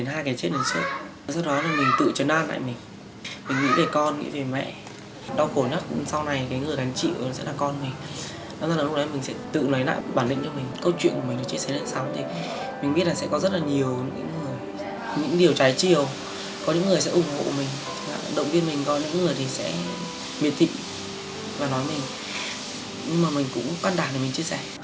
nhưng mà mình cũng quan đảm để mình chia sẻ